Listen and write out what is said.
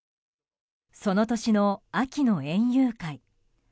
その年の秋の園遊会。